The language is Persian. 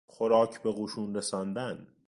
خوراک به قشون رساندن